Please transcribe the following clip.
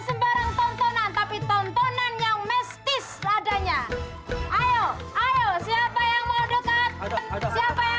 sembarang tontonan tapi tontonan yang mestis adanya ayo ayo siapa yang mau dekat siapa yang